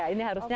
ini selalu ya